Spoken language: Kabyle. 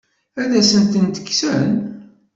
Ad asen-tent-kksen?